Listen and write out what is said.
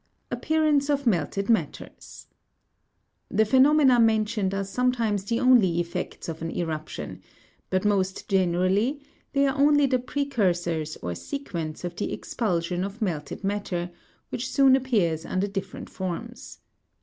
30. Appearance of melted matters. The phenomena mentioned are sometimes the only effects of an eruption ; but most generally they are only the precursors or sequents of the expulsion of melted matter, which soon appears under different forms.